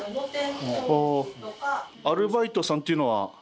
アルバイトさんっていうのは？